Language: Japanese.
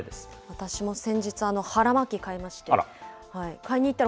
私も先日、腹巻き買いまして。